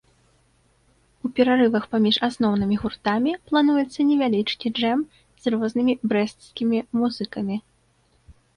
У перарывах паміж асноўнымі гуртамі плануецца невялічкі джэм з рознымі брэсцкімі музыкамі.